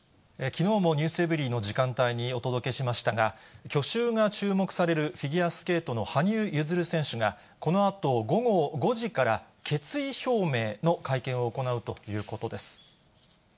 きのうもｎｅｗｓｅｖｅｒｙ．の時間帯にお届けしましたが、去就が注目されるフィギュアスケートの羽生結弦選手が、このあと午後５時から決意表明の会見を行うということです。